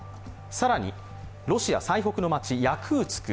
更に、ロシア最北の街ヤクーツク。